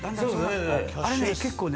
あれね結構ね